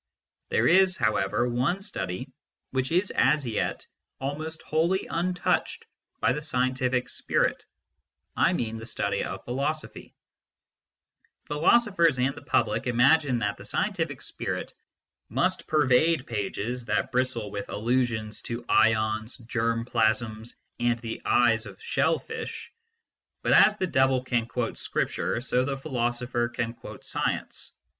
There is however, one study which is as yet almost wholly un touched by the scientific spirit I mean the study of philosophy Philosophers and the public imagine that the scientific spirit must pervade pages that bristle with allusions to ions, germ plasms, and the eyes of shell fish. But as the devil can quote Scripture, so the philosopher can quote science.